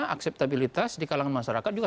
akseptabilitas di kalangan masyarakat juga